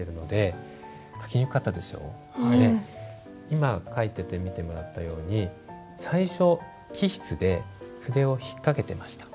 今書いてて見てもらったように最初起筆で筆を引っ掛けてました。